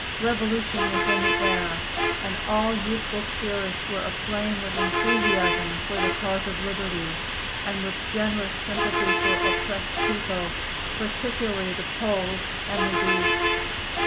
Revolution was in the air, and all youthful spirits were aflame with enthusiasm for the cause of liberty and with generous sympathy for oppressed people, particularly the Poles and the Greeks.